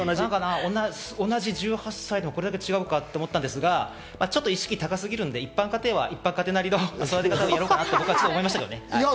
同じ１８歳でこれだけ違うかと思ったんですが、ちょっと意識高すぎるんで、一般家庭は一般家庭なりのやり方をしようかなと思いました。